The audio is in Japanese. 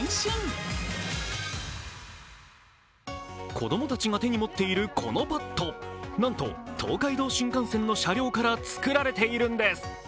子供たちが手に持っているこのバット、なんと東海道新幹線の車両から作られているんです。